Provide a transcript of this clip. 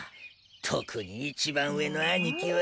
特に一番上の兄貴は。